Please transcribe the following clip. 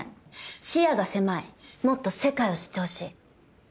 視野が狭いもっと世界を知ってほしい。